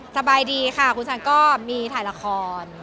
สบายดีค่ะคุณชันก็มีถ่ายละคร